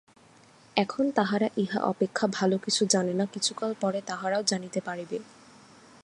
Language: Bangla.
এখন তাহারা ইহা অপেক্ষা ভাল কিছু জানে না, কিছুকাল পরে তাহারাও জানিতে পারিবে।